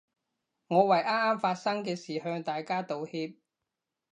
我為啱啱發生嘅事向大家道歉